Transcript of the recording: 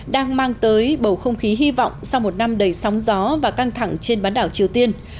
đang mang tới bầu không khí hy vọng sau một năm đầy sóng gió và căng thẳng trên bán đảo triều tiên